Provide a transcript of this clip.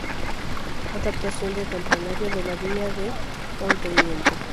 Adaptación del campanario de la Villa de Onteniente.